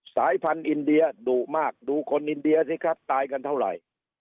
สายพันธุ์อินเดียดุมากดูคนอินเดียสิครับตายกันเท่าไหร่